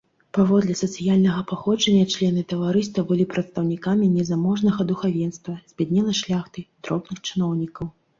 Паводле сацыяльнага паходжання члены таварыства былі прадстаўнікамі незаможнага духавенства, збяднелай шляхты, дробных чыноўнікаў.